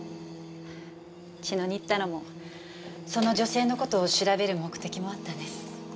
茅野に行ったのもその女性の事を調べる目的もあったんです。